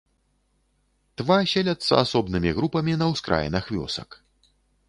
Тва селяцца асобнымі групамі на ўскраінах вёсак.